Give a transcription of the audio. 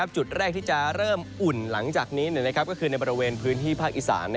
จุดแรกที่จะเริ่มอุ่นหลังจากนี้ก็คือในบริเวณพื้นที่ภาคอีสาน